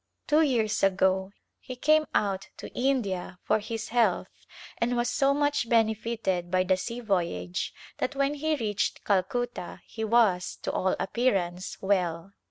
Two years ago he came out to India for his health and was so much benefited by the sea voyage that when he reached Calcutta he was, to all appearance, well.